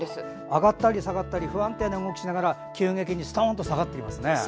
上がったり下がったり不安定な動きで急激にすとんと下がってますね。